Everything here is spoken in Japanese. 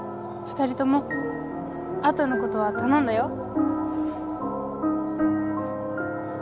２人とも後のことはたのんだよ。